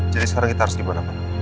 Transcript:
jadi sekarang kita harus di mana pak